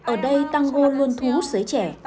ở đây tango luôn thu hút dưới trẻ